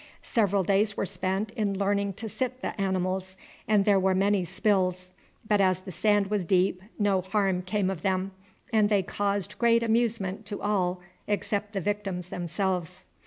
Several days were spent in learning to sit the animals, and there were many spills, but as the sand was deep no harm came of them, and they caused great amusement to all except the victims themselves.